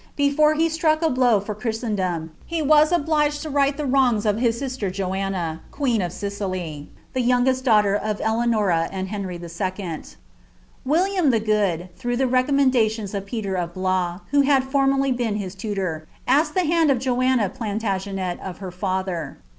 Before he stnick a blow for Christendom, he was obliged to right le wrongs of his sister Joanna, queen of Sicily, the youngest daughter f Deanora and Henry II. William the Good, through the recom lendations of Peter of Blois, (who had formerly been his tutor,) asked le liand of Joanna Plantagenet of her father.